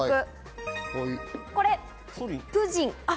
これ、プヂン。